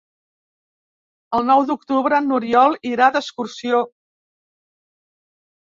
El nou d'octubre n'Oriol irà d'excursió.